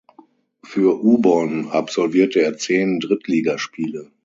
Für Ubon absolvierte er zehn Drittligaspiele.